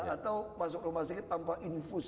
atau masuk rumah sakit tanpa infus